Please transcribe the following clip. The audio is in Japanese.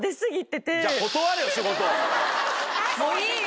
もういいよ。